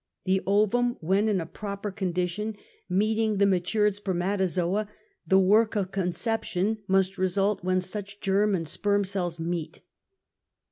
The ovum when in a proper €ondition, meeting the matured spermatozoa the work of conception must result when such germ and sperm cells meet.